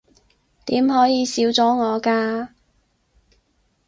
點可以少咗我㗎